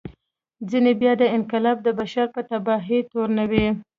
ځینې بیا دا انقلاب د بشر په تباهي تورنوي.